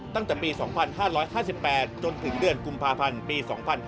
ตั้งแต่ปี๒๕๕๘จนถึงเดือนกุมภาพันธ์ปี๒๕๕๙